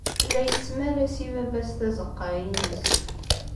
La yettmal-as i baba-s tazeqqa-ines.